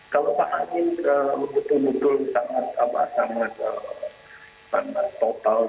kalau pak amin kebetul betul sama pak amin ke total